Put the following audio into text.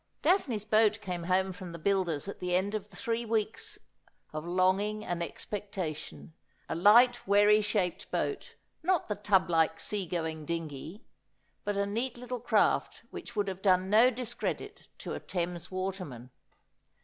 Daphne's boat came home from the builder's at the end of three weeks of longing and expectation, a light wherry shaped boat, not the tub like sea going dingey, but a neat little craft which would have done no discredit to a Thames waterman.